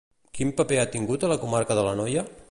Quin paper ha tingut a la comarca de l'Anoia?